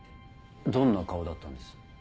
どんな顔だったんです？